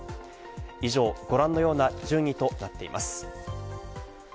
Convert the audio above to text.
以上、ご覧のような順位となっています。